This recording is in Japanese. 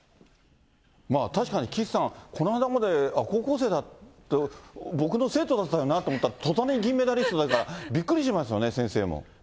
まあ、確かに岸さん、この間まで高校生だった、僕の生徒だったよなと思ったら、とたんに銀メダリストだから、びっくりしますよね、先生も。